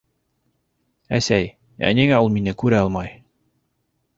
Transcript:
Әсәй, ә ниңә ул мине күрә алмай?